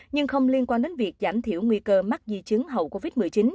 nhưng không liên quan đến việc giảm thiểu nguy cơ mắc di chứng hậu covid một mươi chín